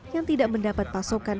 yang tidak mendapat pasokan